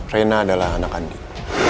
reina adalah anak andin